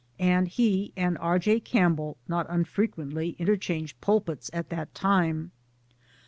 and he and R. J. Campbell not unfrequently inter^ changed pulpits at that tirrie.